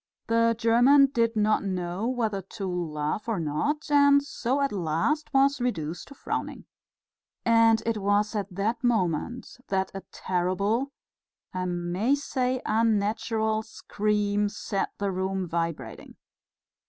The German did not know whether to laugh or not, and so at last was reduced to frowning. And it was at that moment that a terrible, I may say unnatural, scream set the room vibrating.